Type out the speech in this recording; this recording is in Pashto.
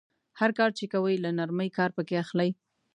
هر کار چې کوئ له نرمۍ کار پکې اخلئ.